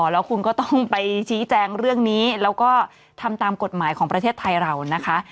แล้วคุณก็ต้องไปชี้แจงเรื่องนี้แล้วก็ทำตามกฎหมายของประเทศไทยเรานะคะ